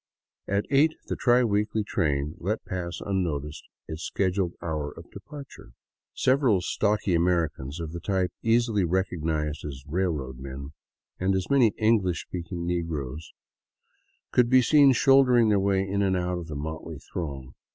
At eight the tri weekly train let pass unnoticed its scheduled hour of departure. Several stocky Americans of the type easily recog nized as " railroad men," and as many English speaking negroes could be seen shouldering their way in and out of the motley throng.